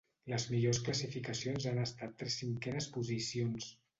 Les millors classificacions han estat tres cinquenes posicions.